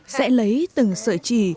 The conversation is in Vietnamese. sẽ lấy từng sợi chỉ